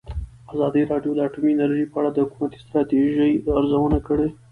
ازادي راډیو د اټومي انرژي په اړه د حکومتي ستراتیژۍ ارزونه کړې.